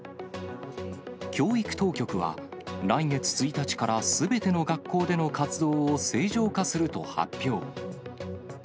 教育当局は、来月１日からすべての学校での活動を正常化すると発表。